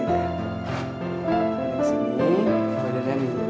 tidak ada yang disini